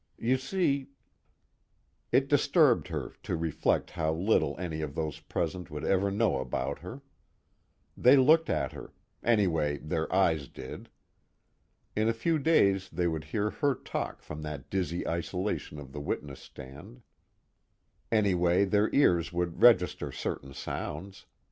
You see_ It disturbed her, to reflect how little any of those present would ever know about her. They looked at her; anyway their eyes did. In a few days they would hear her talk from that dizzy isolation of the witness stand; anyway their ears would register certain sounds.